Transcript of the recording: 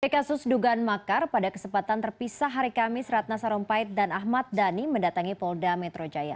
kasus dugaan makar pada kesempatan terpisah hari kamis ratna sarumpait dan ahmad dhani mendatangi polda metro jaya